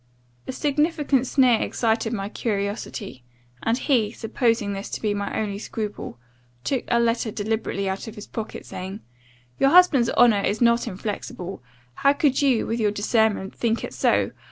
A significant sneer excited my curiosity, and he, supposing this to be my only scruple, took a letter deliberately out of his pocket, saying, 'Your husband's honour is not inflexible. How could you, with your discernment, think it so?